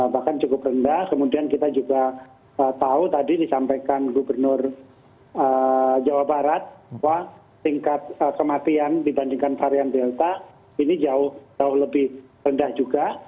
bahkan cukup rendah kemudian kita juga tahu tadi disampaikan gubernur jawa barat bahwa tingkat kematian dibandingkan varian delta ini jauh lebih rendah juga